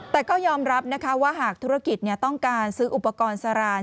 แต่ก็ยอมรับนะคะว่าหากธุรกิจต้องการซื้ออุปกรณ์สราน